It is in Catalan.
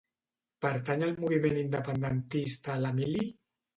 Pertany al moviment independentista l'Emili?